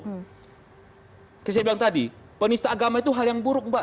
seperti saya bilang tadi penista agama itu hal yang buruk mbak